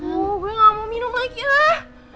oh gue gak mau minum lagi lah